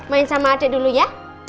main sama adik dulu ya